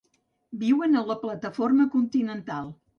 Viuen a la plataforma continental.